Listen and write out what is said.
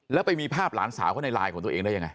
แล้วไปมีภาพหลานสาวเขาในไลน์ของตัวเองได้ยังไง